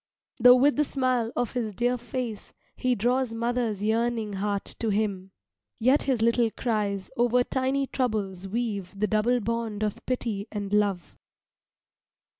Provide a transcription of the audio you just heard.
Though with the smile of his dear face he draws mother's yearning heart to him, yet his little cries over tiny troubles weave the double bond of pity and love.